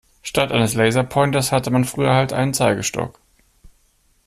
Statt eines Laserpointers hatte man früher halt einen Zeigestock.